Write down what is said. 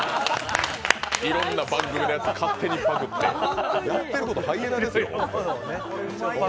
いろんな番組のやつ勝手にパクって、やってることハイエナですよ。